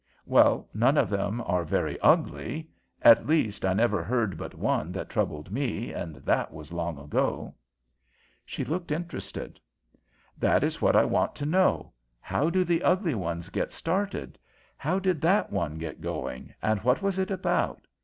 "Well, none of them are very ugly; at least I never heard but one that troubled me, and that was long ago." She looked interested. "That is what I want to know; how do the ugly ones get started? How did that one get going and what was it about?